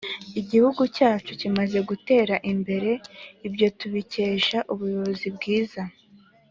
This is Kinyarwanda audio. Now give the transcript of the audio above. Igihugu cyacu kimaze gutera imbere ibyo tubikesha ubuyobozi bwiza